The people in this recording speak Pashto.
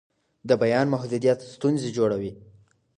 د بیان محدودیت ستونزې جوړوي